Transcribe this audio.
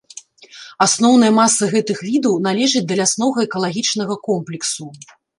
Асноўная маса гэтых відаў належаць да ляснога экалагічнага комплексу.